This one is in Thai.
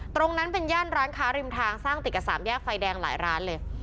ตรงนั้นเป็นย่านร้านค้าริมทางสร้างติดกับสามแยกไฟแดงหลายร้านเลย